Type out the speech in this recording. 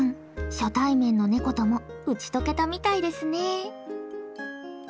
初対面のネコとも打ち解けたみたいですね。